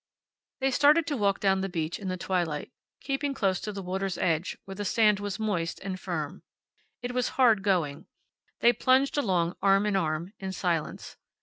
They started to walk down the beach in the twilight, keeping close to the water's edge where the sand was moist and firm. It was hard going. They plunged along arm in arm, in silence.